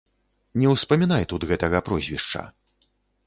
Не ўспамінай тут гэтага прозвішча.